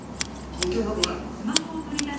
関係なくない！